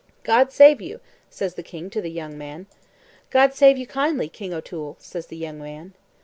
"God save you," says the king to the young man. "God save you kindly, King O'Toole," says the young man.